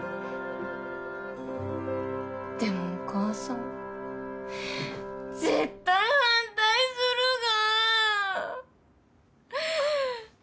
でもお母さん絶対反対するが！